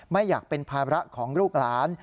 ไม่อยากเป็นภาระของลูกหลาน